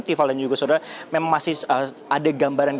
tival dan juga soda memang masih ada gambarnya